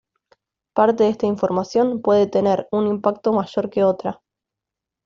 Parte de esta información puede tener un impacto mayor que otra.